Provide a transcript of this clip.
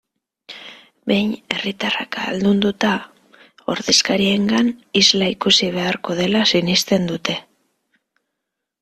Behin herritarrak ahaldunduta, ordezkariengan isla ikusi beharko dela sinesten dute.